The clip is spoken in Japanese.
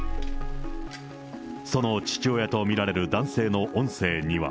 その父親と見られる男性の音声には。